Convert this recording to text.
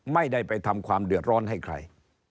ไม่ได้ไปทำความเดือดร้อนให้ใคร